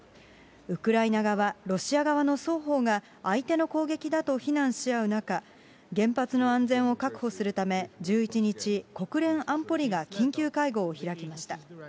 ウクライナ側、ロシア側の双方が、相手の攻撃だと非難し合う中、原発の安全を確保するため、１１日、国連安保理が緊急会合を開きました。